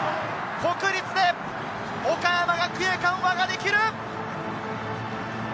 国立で岡山学芸館、輪ができる！